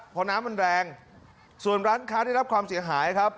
เพราะน้ำมันแรงส่วนร้านค้าได้รับความเสียหายครับ